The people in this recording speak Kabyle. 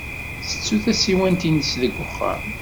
Tettu tasiwant-nnes deg uxxam.